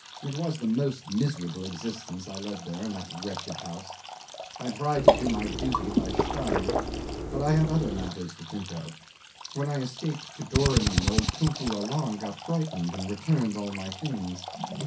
It was the most miserable existence I led there in that wretched house. I tried to do my duty by Stein, but I had also other matters to think of. When I escaped to Doramin old Tunku Allang got frightened and returned all my things.